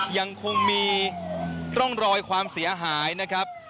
ยังคงมีร่องรอยความเสียหายนะครับ